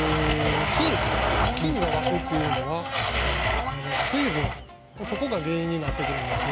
菌が湧くっていうのは水分そこが原因になってくるんですね。